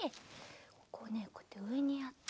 ここをねこうやってうえにやって。